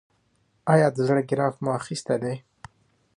ایا د زړه ګراف مو اخیستی دی؟